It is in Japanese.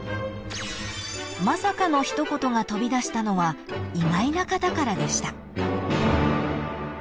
［まさかの一言が飛び出したのは意外な方からでした］